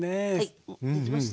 できましたよ。